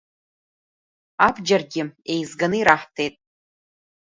Абџьаргьы еизганы ираҳҭеит…